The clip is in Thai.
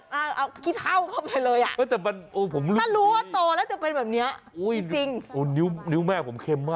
มารสราชาจะเข็ม